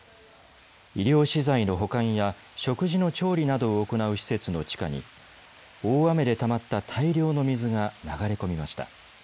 医療資材の保管や食事の調理などを行う施設の地下に大雨でたまった大量の水が流れ込みました。